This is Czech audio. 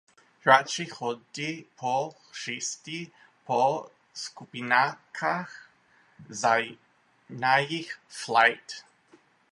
Hráči chodí po hřišti po skupinkách zvaných "flight".